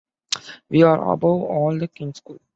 We are, above all, a keen school.